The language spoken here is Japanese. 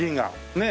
ねえ。